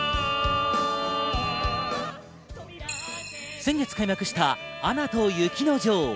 先月開幕した『アナと雪の女王』。